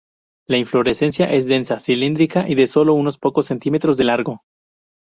La inflorescencia es densa, cilíndrica, y de sólo unos pocos centímetros de largo.